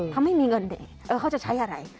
เขาไม่มีเงินเด็กเขาจะใช้อะไร